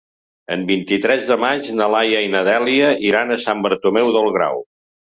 El vint-i-tres de maig na Laia i na Dèlia iran a Sant Bartomeu del Grau.